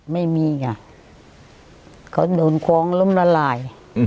ไม่มีค่ะเขาโดนฟ้องล้มละลาย